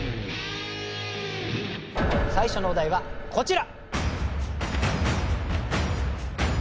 最初のお題はこちら！